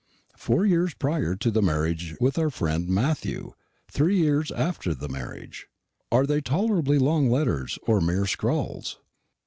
Four years prior to the marriage with our friend Matthew; three years after the marriage. "Are they tolerably long letters, or mere scrawls?"